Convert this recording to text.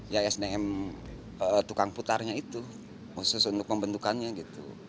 ya sdm tukang putarnya itu khusus untuk pembentukannya gitu